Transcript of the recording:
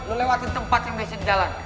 lo lewatin tempat yang masih di jalan